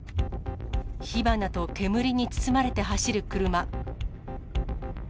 火花と煙に包まれて走る車。